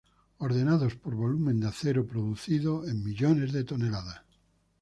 Ordenados por volumen de acero producido, en millones de toneladas.